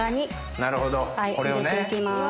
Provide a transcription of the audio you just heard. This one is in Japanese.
なるほどこれをね。